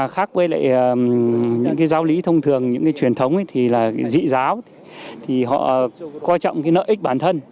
khác với lại những cái giáo lý thông thường những cái truyền thống thì là dị giáo thì họ coi trọng cái nợ ích bản thân